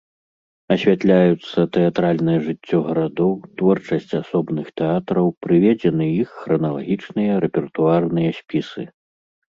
Асвятляюцца тэатральнае жыццё гарадоў, творчасць асобных тэатраў, прыведзены іх храналагічныя рэпертуарныя спісы.